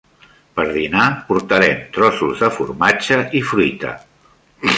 Per dinar portarem trossos de formatge i fruita.